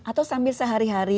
atau sambil sehari hari